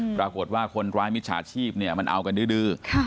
ปรากฏว่าคนร้ายมิจฉาชีพเนี่ยมันเอากันดื้อ